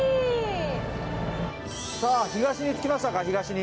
さあ東に着きましたか東に。